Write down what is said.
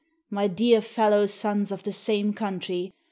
my dear fellow sons of the same country!